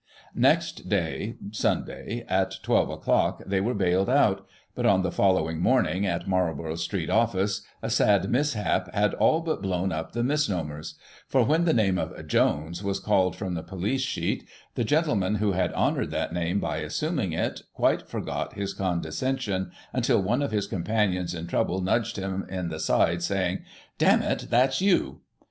"Next day (Sunday), at 12 o'clock, they were bailed out, but, on the following morning at Marlborough Street Office, a sad mishap had all but blown up the misnomers ; for, when the name of 'Jones* was called from the police sheet, the gentleman who had honoured that name by assuming it, quite forgot his condescension, until one of his companions in trouble nudged him in the side, saying, ' D n it, that's you.'